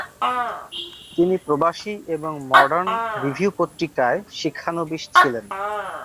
তিনি প্রবাসী এবং Modern Review পত্রিকায় শিক্ষানবিশ ছিলেন ।